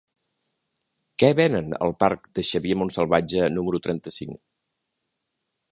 Què venen al parc de Xavier Montsalvatge número trenta-cinc?